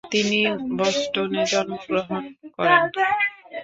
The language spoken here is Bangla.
তিনি বস্টনে জন্মগ্রহণ করেন।